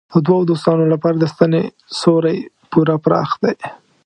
د دوو دوستانو لپاره د ستنې سوری پوره پراخ دی.